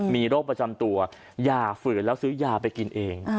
มีโรคประจำตัวอย่าฝืนแล้วซื้อยาไปกินเอง